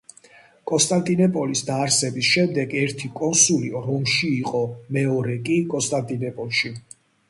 კონსტანტინოპოლის დაარსების შემდეგ ერთი კონსული რომში იყო მეორე კი კონსტანტინოპოლში.